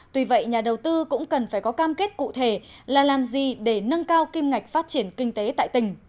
tuy vậy nhà đầu tư cũng cần phải có cam kết cụ thể là làm gì để nâng cao kim ngạch phát triển kinh tế tại tỉnh